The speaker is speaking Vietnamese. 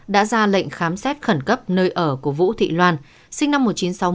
đã ra lệnh khám xét khẩn cấp nơi ở của vũ thị loan sinh năm một nghìn chín trăm sáu mươi